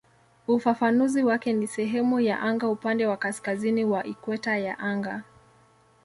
Ufafanuzi wake ni "sehemu ya anga upande wa kaskazini wa ikweta ya anga".